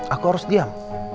aku harus diam